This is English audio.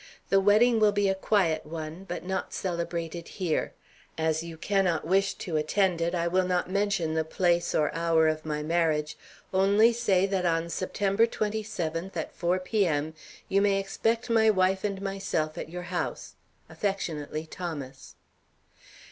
The wedding will be a quiet one, but not celebrated here. As you cannot wish to attend it, I will not mention the place or hour of my marriage, only say that on September 27th at 4 P. M. you may expect my wife and myself at your house. Aff., THOMAS.